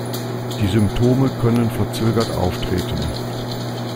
Die Symptome können verzögert auftreten.